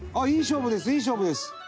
いい勝負です。